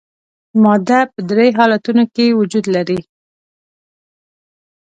ماده په درې حالتونو کې وجود لري.